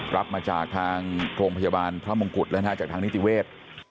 รับมาจากทางโรงพยาบาลพระมงกุฎแล้วนะฮะจากทางนิติเวศ